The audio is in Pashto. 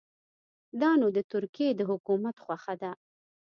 دا نو د ترکیې د حکومت خوښه ده.